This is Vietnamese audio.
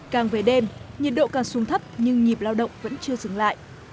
càng về đêm nhiệt độ càng xuống thấp nhưng nhịp lao động vẫn chưa dừng lại